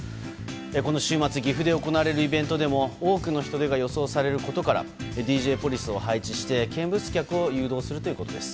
この週末岐阜で行われるイベントでも多くの人出が予想されることからＤＪポリスを配置して見物客を誘導するということです。